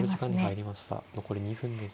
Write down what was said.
残り２分です。